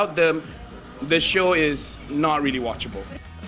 pembahasan ini tidak bisa diperhatikan